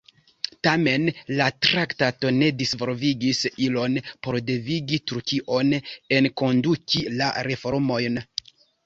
Tamen, la traktato ne disvolvigis ilon por devigi Turkion enkonduki la reformojn.